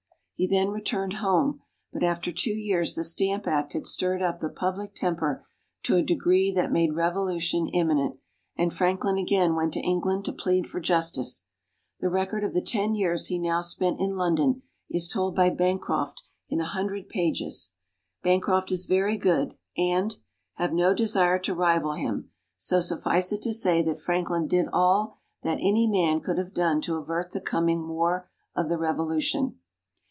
He then returned home, but after two years the Stamp Act had stirred up the public temper to a degree that made revolution imminent, and Franklin again went to England to plead for justice. The record of the ten years he now spent in London is told by Bancroft in a hundred pages. Bancroft is very good, and! have no desire to rival him, so suffice it to say that Franklin did all that any man could have done to avert the coming War of the Revolution.